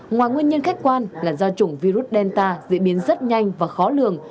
ngoài nguyên nhân khách quan là do chủng virus delta diễn biến rất nhanh và khó lường